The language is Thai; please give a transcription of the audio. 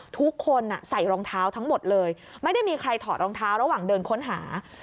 ทุกคนใส่รองเท้าทั้งหมดเลยไม่ได้มีใครถอดรองเท้าระหว่างเดินค้นหา